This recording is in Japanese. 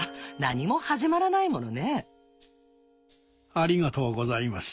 ありがとうございます。